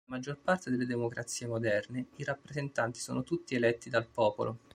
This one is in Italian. Nella maggior parte delle democrazie moderne i rappresentanti sono tutti eletti dal popolo.